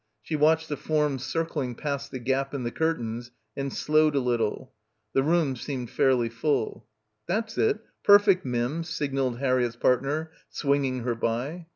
She watched the forms circling past the gap in the curtains and slowed a little. The room seemed fairly full. "That's it — perfect, Mim," signalled Har riett's partner, swinging her by.